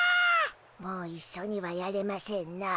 もう一緒にはやれませんな。